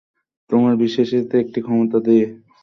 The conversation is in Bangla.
তোমার বিশেষায়িত একটা ক্ষমতা দিয়ে তোমাকেই নিয়ন্ত্রণ করছি।